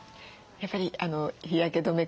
やっぱり日焼け止め